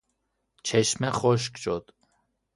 چشمه خشک شد.